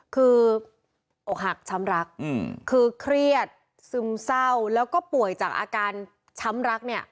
คืออกหักช้ำรักคือเครียดซึมเศร้าแล้วก็ป่วยจากอาการช้ำรักเนี่ย